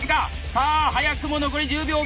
さあ早くも残り１０秒をきった！